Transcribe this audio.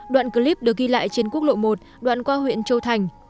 đoạn clip được ghi lại trên quốc lộ một đoạn qua huyện châu thành